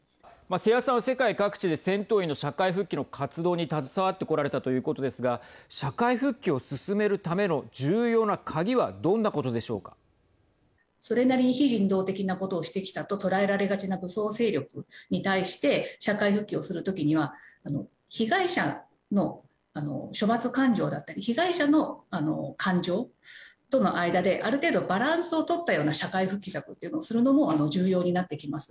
瀬谷さんは世界各地で戦闘員の社会復帰の活動に携わってこられたということですが社会復帰を進めるための重要な鍵はそれなりに非人道的なことをしてきたと捉えられがちな武装勢力に対して社会復帰をするときには被害者の処罰感情だったり、被害者の感情との間である程度バランスを取ったような社会復帰策というのをするのも重要になってきます。